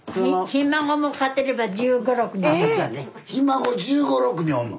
ひ孫１５１６人おんの⁉